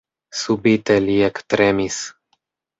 Subite li ektremis.